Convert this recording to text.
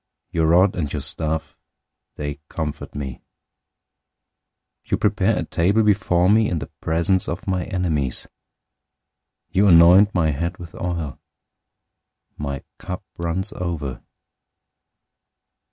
Your rod and your staff, they comfort me. 023:005 You prepare a table before me in the presence of my enemies. You anoint my head with oil. My cup runs over.